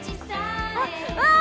あっわあ